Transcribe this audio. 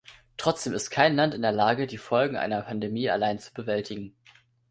Trotzdem ist kein Land in der Lage, die Folgen einer Pandemie allein zu bewältigen.